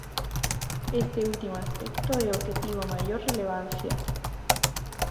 Este último aspecto é o que tivo maior relevancia.